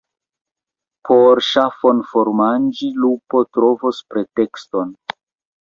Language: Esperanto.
Por ŝafon formanĝi, lupo trovos pretekston.